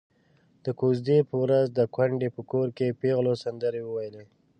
د کوژدې په ورځ د کونډې په کور کې پېغلو سندرې وويلې.